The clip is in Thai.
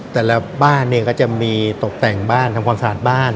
แต่ละบ้านเนี่ยก็จะมีตกแต่งบ้านทำความสะอาดบ้าน